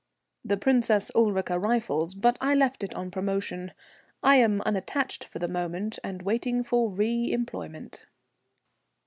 "The Princess Ulrica Rifles, but I left it on promotion. I am unattached for the moment, and waiting for reëmployment."